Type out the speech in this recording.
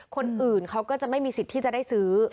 คนอื่นเขาก็จะไม่มีสิทธิ์ที่จะได้ซื้อ